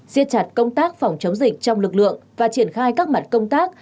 xiết chặt công tác phòng chống dịch trong lực lượng và triển khai các mặt công tác